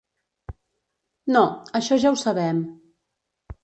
No, això ja ho sabem.